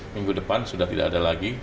minggu depan sudah tidak ada lagi